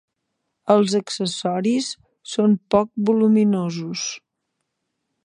Els accessoris són poc voluminosos.